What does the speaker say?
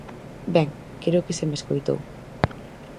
Ben, creo que se me escoitou.